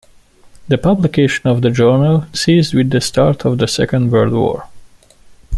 The publication of the journal ceased with the start of the Second World War.